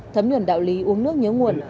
thấm nhuẩn đạo lý uống nước nhớ nguồn